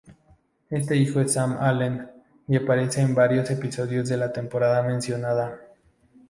Este hijo es Sam Allen y aparece en varios episodios de la temporada mencionada.